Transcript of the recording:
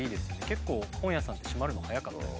結構本屋さんって閉まるの早かったり。